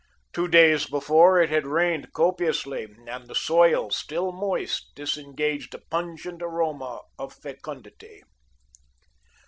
Two days before it had rained copiously, and the soil, still moist, disengaged a pungent aroma of fecundity.